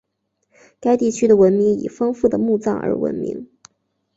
该地区的文明以丰富的墓葬而闻名。